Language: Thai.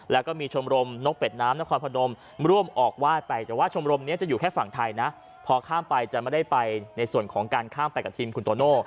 แล้วก็มีชมรมนกเป็ดน้ำนครพนมร่วมออกไหว้ไปแต่ว่าชมรมนี้จะอยู่แค่ฝั่งไทยนะพอข้ามไปจะไม่ได้ไปในส่วนของการข้ามไปกับทีมคุณโตโน่